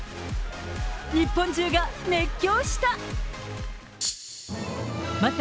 日本中が熱狂した。